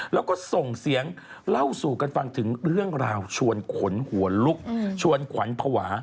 แล้วก็ส่งเสียงเล่าสู่กันฟังถึงเรื่องราวชวนขนหัวลุกชวนขวัญภาวะ